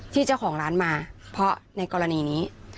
ที่เจ้าของร้านมาเพราะในกรณีนี้